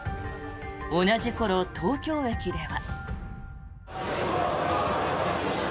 同じ頃、東京駅では。